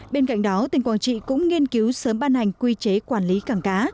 bên cạnh đó tỉnh quảng trị cũng nghiên cứu sớm ban hành quy chế quản lý cảng cá